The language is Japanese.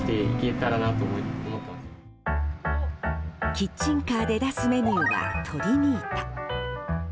キッチンカーで出すメニューはトリニータ。